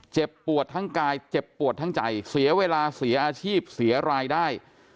เจ็บปวดทั้งกายเจ็บปวดทั้งใจเสียเวลาเสียอาชีพเสียรายได้